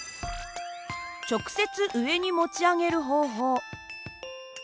直接上に持ち上げる方法。